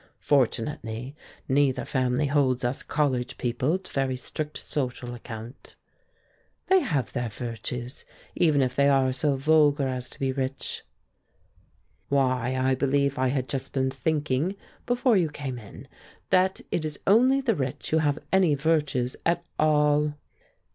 Fortunately neither family holds us college people to very strict social account." "They have their virtues, even if they are so vulgar as to be rich." "Why, I believe I had just been thinking, before you came in, that it is only the rich who have any virtues at all."